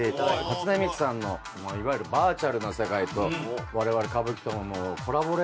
初音ミクさんのいわゆるバーチャルな世界と我々歌舞伎とのコラボレートですよね。